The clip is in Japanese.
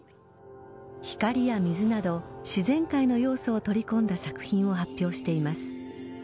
光や水など自然界の要素を取り込んだ作品を発表しています。